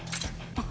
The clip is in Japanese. あっ！